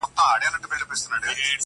يو نه شل ځلي په دام كي يم لوېدلى٫